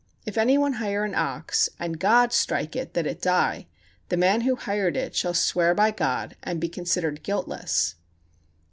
If any one hire an ox, and God strike it that it die, the man who hired it shall swear by God and be considered guiltless.